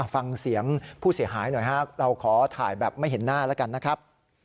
ฟังเสียงผู้เสียหายหน่อยครับเราขอถ่ายแบบไม่เห็นหน้าแล้วกันนะครับ